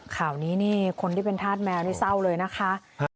ข่าวนี้นี่คนที่เป็นธาตุแมวนี่เศร้าเลยนะคะ